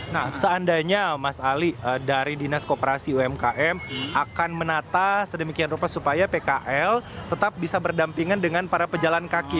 nah seandainya mas ali dari dinas koperasi umkm akan menata sedemikian rupa supaya pkl tetap bisa berdampingan dengan para pejalan kaki